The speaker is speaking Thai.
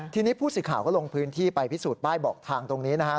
ทีนี้ผู้สื่อข่าวก็ลงพื้นที่ไปพิสูจนป้ายบอกทางตรงนี้นะครับ